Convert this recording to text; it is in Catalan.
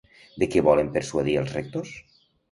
De què volen persuadir als rectors?